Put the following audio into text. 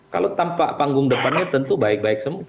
kalau tanpa panggung depannya tentu baik baik semua